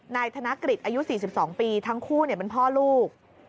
นายกฤษอายุ๔๒ปีทั้งคู่เป็นพ่อลูก